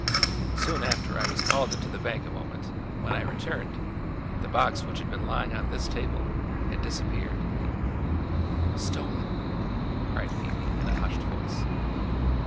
Soon after I was called into the bank a moment and when I returned, the box which had been lying on this table, had disappeared." "Stolen!" cried Phoebe in a hushed voice.